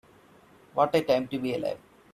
What a time to be alive.